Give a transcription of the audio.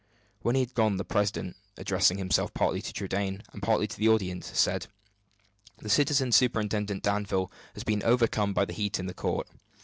When he had gone the president, addressing himself partly to Trudaine and partly to the audience, said: "The Citizen Superintendent Danville has been overcome by the heat in the court.